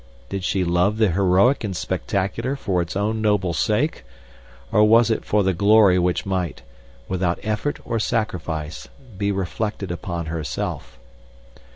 Did she love the heroic and the spectacular for its own noble sake, or was it for the glory which might, without effort or sacrifice, be reflected upon herself?